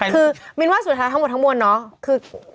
คือมินว่าสุดท้ายทั้งหมดทั้งมวลเนาะ